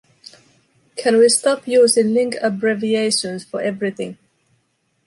Can we stop using link abbreviators for everything?